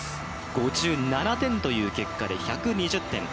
５７点という結果で、１２０点。